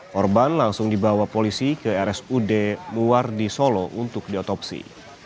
korban langsung dibawa polisi ke rsud muwardi solo untuk diotopsi